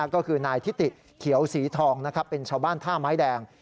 ก็คือนายทิติเขียวสีทองเป็นชาวบ้านท่าไม้แดง